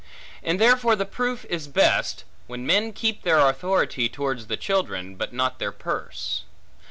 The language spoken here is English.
And therefore the proof is best, when men keep their authority towards the children, but not their purse.